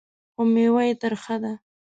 خو مېوه یې ترخه ده .